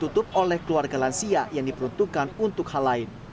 ditutup oleh keluarga lansia yang diperuntukkan untuk hal lain